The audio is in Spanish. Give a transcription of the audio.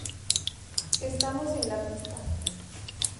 Estamos en la pista".